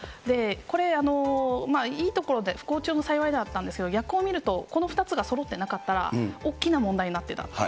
これ、いいところで、不幸中の幸いであったんですけど、逆を見ると、この２つがそろってなかったら、大きな問題になっていた。